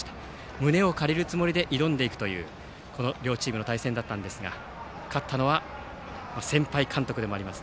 胸を借りるつもりで挑んでいくという両チームの対戦だったんですが勝ったのは先輩監督でもあります